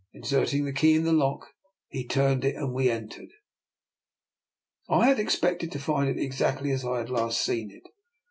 Inserting the key in the lock, he turned it and we entered. I had expected to find it exactly as I had last seen it.